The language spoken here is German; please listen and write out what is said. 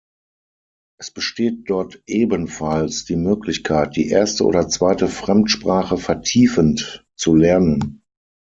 Es besteht dort ebenfalls die Möglichkeit, die erste oder zweite Fremdsprache vertiefend zu lernen.